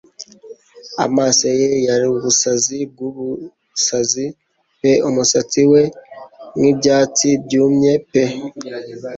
Amaso ye yari ubusazi bwubusazi pe umusatsi we nkibyatsi byumye pe